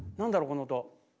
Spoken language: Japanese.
この音。